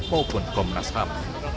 maupun komnas ham